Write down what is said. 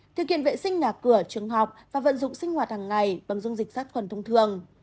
thực hiện vệ sinh nhà cửa trường học và vận dụng sinh hoạt hàng ngày bằng dung dịch sát khuẩn thông thường